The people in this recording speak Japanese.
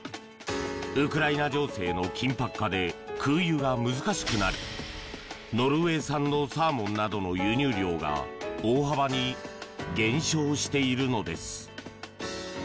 ウクライナ情勢の緊迫化で空輸が難しくなりノルウェー産のサーモンなどの輸入量が大幅に減少しているのです。